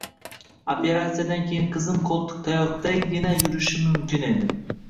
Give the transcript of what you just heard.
Operasiyadan keyin qizim qo`ltiqtayoqdagina yurishi mumkin edi